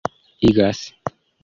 igas